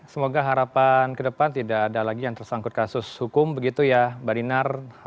semoga harapan ke depan tidak ada lagi yang tersangkut kasus hukum begitu ya mbak dinar